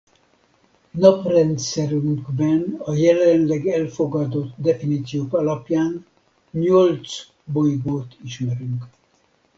Naprendszerünkben a jelenleg elfogadott definíciók alapján nyolc bolygót ismerünk.